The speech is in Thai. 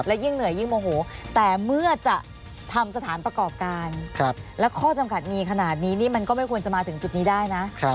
ยิ่งเหนื่อยยิ่งโมโหแต่เมื่อจะทำสถานประกอบการและข้อจำกัดมีขนาดนี้นี่มันก็ไม่ควรจะมาถึงจุดนี้ได้นะ